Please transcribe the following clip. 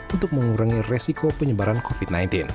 untuk mengurangi resiko penyebaran covid sembilan belas